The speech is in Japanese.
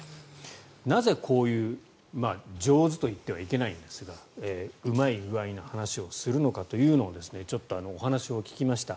なぜこういう上手と言ってはいけないですがうまい具合な話をするのかというのをちょっとお話を聞きました。